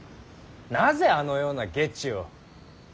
なぜあのような下知を。